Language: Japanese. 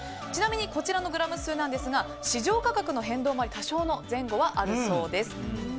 ちなみにこちらのグラム数ですが市場価格の変動もあり多少の前後はあるそうです。